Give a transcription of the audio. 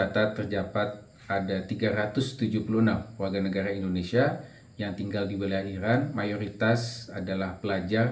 tersebut bull arena indonesia yang tinggal di wilayah jalan mayoritas adalah pelajar